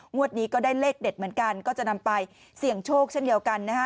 นี้ก็ได้เลขเด็ดเหมือนกันก็จะนำไปเสี่ยงโชคเช่นเดียวกันนะฮะ